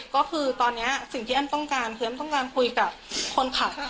ก็คือตอนนี้สิ่งที่แอมต้องการคือแอ้มต้องการคุยกับคนขับ